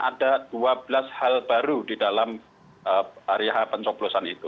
ada dua belas hal baru di dalam area pencoblosan itu